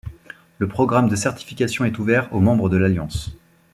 Le programme de Certification est ouvert aux membres de l'alliance.